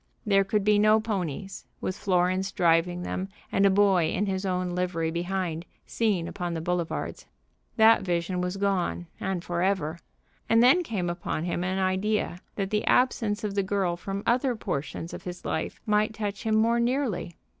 There could be no ponies, with Florence driving them, and a boy in his own livery behind, seen upon the boulevards. That vision was gone, and forever. And then came upon him an idea that the absence of the girl from other portions of his life might touch him more nearly.